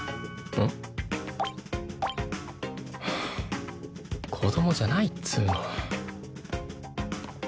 んっ？はあ子供じゃないっつうの。